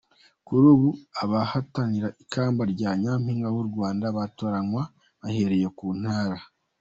Kuri ubu abahatanira ikamba rya Nyampinga w’u Rwanda batoranywa bahereye ku ntara.